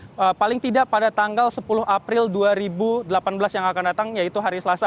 dan paling tidak pada tanggal sepuluh april dua ribu delapan belas yang akan datang yaitu hari selasa